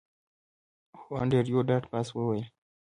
هو انډریو ډاټ باس وویل